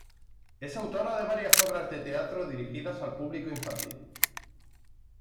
Es autora de varias obras de teatro dirigidas al público infantil.